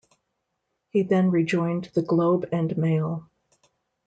He then rejoined the "Globe and Mail".